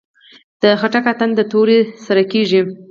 د خټک اتن د تورې سره کیږي.